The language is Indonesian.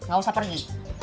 gak usah pergi